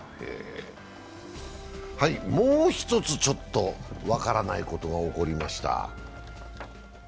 もう一つちょっと分からないことが起こりました。